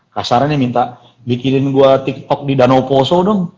kasarannya minta bikinin gue tiktok di danau poso dong